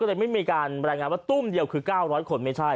ก็เลยไม่มีการรายงานว่าตุ้มเดียวคือ๙๐๐คนไม่ใช่